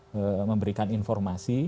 mereka mencoba untuk memberikan informasi